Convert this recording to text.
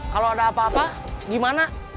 kalau ada apa apa gimana